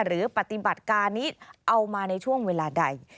หรือปฏิบัติการนี้เอามาในช่วงเวลาใด